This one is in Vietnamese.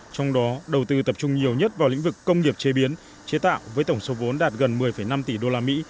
trong đó đầu tư tập trung nhiều nhất vào lĩnh vực công nghiệp chế biến chế tạo với tổng số vốn đạt gần một mươi năm tỷ usd